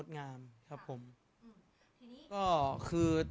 สงฆาตเจริญสงฆาตเจริญ